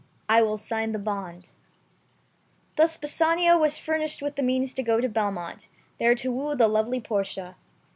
I will sign the bond." Thus Bassanio was furnished with the means to go to Belmont, there to woo the lovely Portia.